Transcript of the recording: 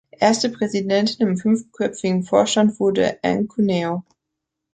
Erste Präsidentin im fünfköpfigen Vorstand wurde Anne Cuneo.